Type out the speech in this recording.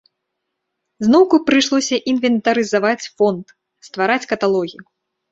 Зноўку прыйшлося інвентарызаваць фонд, ствараць каталогі.